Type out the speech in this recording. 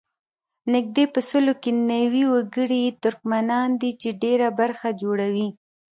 نږدې په سلو کې نوي وګړي یې ترکمنان دي چې ډېره برخه جوړوي.